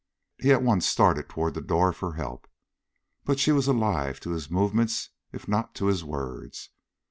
He at once started toward the door for help. But she was alive to his movements if not to his words.